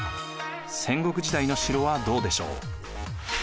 戦国時代の城はどうでしょう？